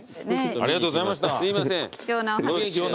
ありがとうございます。